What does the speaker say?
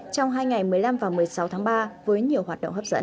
trong hai ngày một mươi năm và một mươi sáu tháng ba với nhiều hoạt động hấp dẫn